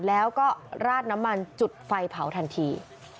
แล้วก็ราดน้ำมันจุดไฟเผาทันที